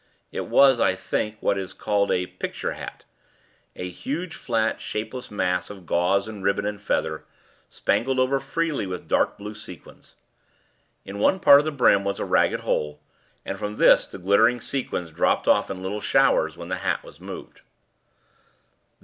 It was, I think, what is called a "picture hat" a huge, flat, shapeless mass of gauze and ribbon and feather, spangled over freely with dark blue sequins. In one part of the brim was a ragged hole, and from this the glittering sequins dropped off in little showers when the hat was moved.